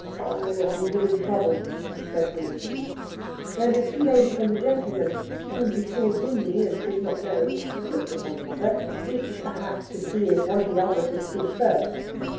"I am giving trouble," said he. Then the two ladies and the gentleman, whom he saw dimly and did not know, looked at one another, each perhaps to see if one of the others would speak first.